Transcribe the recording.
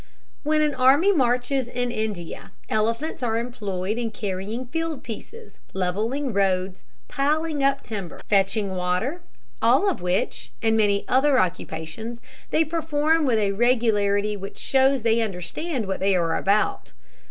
When an army marches in India, elephants are employed in carrying field pieces, levelling roads, piling up timber, fetching water; all of which, and many other occupations, they perform with a regularity which shows that they understand what they are about.